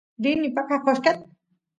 rini paqa qoshqet